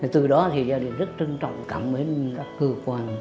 từ đó thì gia đình rất trân trọng cảm ơn các cơ quan